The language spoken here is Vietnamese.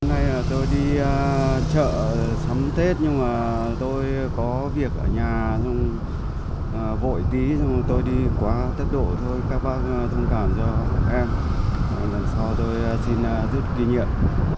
hôm nay tôi đi chợ sắm tết nhưng mà tôi có việc ở nhà vội tí tôi đi quá tốc độ thôi các bác thông cảm cho em lần sau tôi xin giúp kỷ niệm